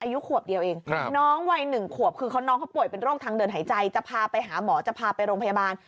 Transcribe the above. อายุขวบเดียวเองน้องวัย๑ขวบคือน้องเขาป่วยเป็นโรคทางเดินหายใจจะพาไปหาหมอจะพาไปโรงพยาบาล